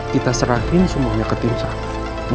kita serahin semuanya ke tim sar